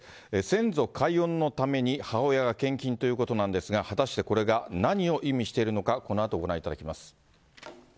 先祖開運のために母親が献金ということなんですが、果たしてこれが何を意味しているのか、このあとご覧いただきます。